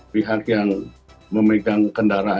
pihak yang memegang kendaraan